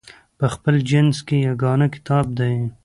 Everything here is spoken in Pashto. په خپل جنس کې یګانه کتاب دی.